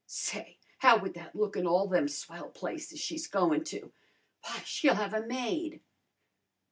Say, how would that look in all them swell places she's goin' to? W'y, she'll have a maid!"